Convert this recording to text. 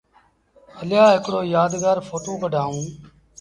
هليآ هڪڙو يآدگآر ڦوٽو ڪڍآئوٚݩ۔